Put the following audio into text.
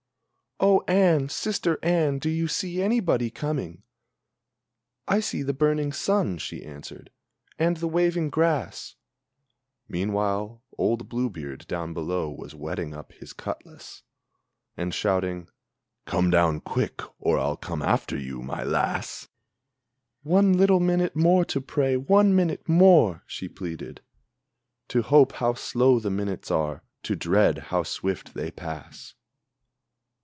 "Oh Anne, sister Anne, do you see anybody coming?" "I see the burning sun," she answered, "and the waving grass!" Meanwhile old Blue beard down below was whetting up his cutlass, And shouting: "Come down quick, or I'll come after you, my lass!" "One little minute more to pray, one minute more!" she pleaded To hope how slow the minutes are, to dread how swift they pass!